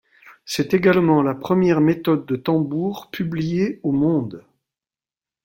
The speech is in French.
C'est également la première méthode de tambour publiée au monde.